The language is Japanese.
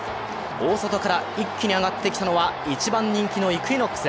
大外から一気に上がってきたのは１番人気のイクイノックス。